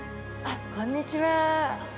あっこんにちは。